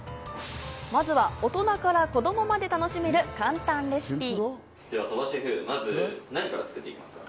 まずは大人から子供まで楽しめる簡単レシピ。